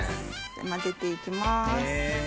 混ぜて行きます。